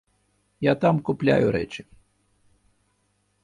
Я там купляю рэчы.